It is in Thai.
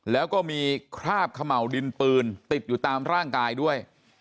แล้วก็มีคราบเขม่าวดินปืนติดอยู่ตามร่างกายด้วย